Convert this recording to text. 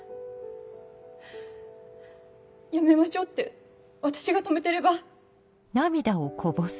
「やめましょう」って私が止めてれば。